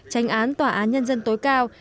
tranh án tòa án nhân dân tối cao